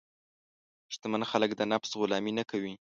شتمن خلک د نفس غلامي نه کوي.